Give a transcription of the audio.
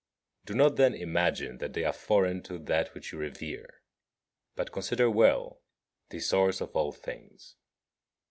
Do not, then, imagine that they are foreign to that which you revere, but consider well the source of all things.